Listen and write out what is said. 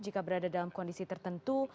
jika berada dalam kondisi tertentu